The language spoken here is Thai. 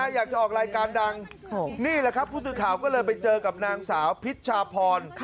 อยากจะออกรายการดังนี่แหละครับผู้สื่อข่าวก็เลยไปเจอกับนางสาวพิชชาพร